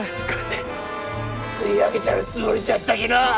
金吸い上げちゃるつもりじゃったきのう！